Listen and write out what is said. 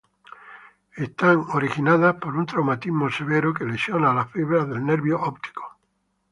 Están originadas por un traumatismo severo que lesiona las fibras del nervio óptico.